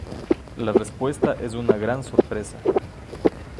La respuesta es una gran sorpresa.